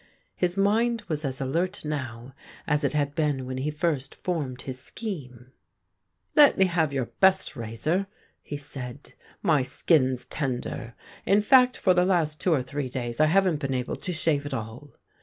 His mind was as alert now as it had been when he first formed his scheme. 67 THE GREEN LIGHT ' Let me have your best razor/ he said; 'my skin's tender; in fact, for the last two or three days I haven't been able to shave at all.'